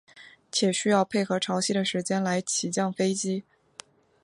且需要配合潮汐的时间来起降飞机。